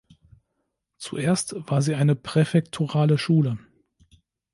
Zuerst war sie eine präfekturale Schule.